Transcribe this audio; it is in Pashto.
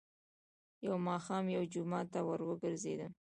. يو ماښام يوه جومات ته ور وګرځېدم،